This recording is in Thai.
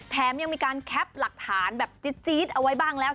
แถมยังมีการแคปหลักฐานแบบจี๊ดเอาไว้บ้างแล้ว